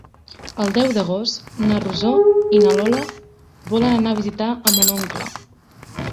El deu d'agost na Rosó i na Lola volen anar a visitar mon oncle.